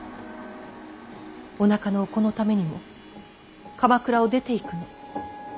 おなかのお子のためにも鎌倉を出ていくの。